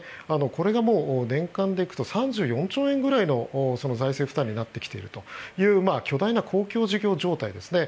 これがもう年間で行くと３４兆円ぐらいの財政負担になってきているという巨大な公共事業状態ですね。